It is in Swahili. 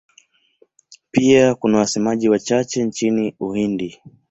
Pia kuna wasemaji wachache nchini Uhindi.